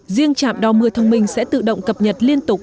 riêng trạm đo mưa thông minh sẽ tự động cập nhật liên tục